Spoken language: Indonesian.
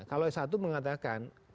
kalau satu mengatakan keuntungan